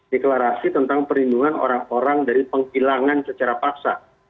deklarasi tentang perlindungan orang orang dari penghilangan secara paksa